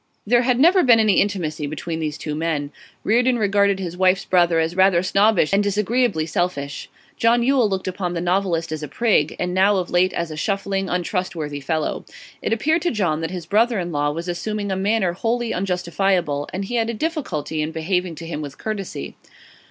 There had never been any intimacy between these two men. Reardon regarded his wife's brother as rather snobbish and disagreeably selfish; John Yule looked upon the novelist as a prig, and now of late as a shuffling, untrustworthy fellow. It appeared to John that his brother in law was assuming a manner wholly unjustifiable, and he had a difficulty in behaving to him with courtesy.